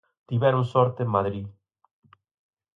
Tiveron sorte en Madrid.